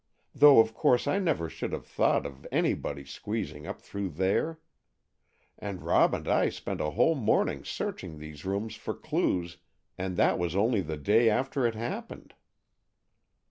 Though of course I never should have thought of anybody squeezing up through there. And Rob and I spent a whole morning searching these rooms for clues, and that was only the day after it happened."